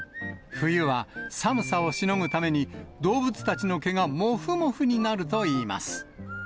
冬は寒さをしのぐために、動物たちの毛がもふもふになるといいます。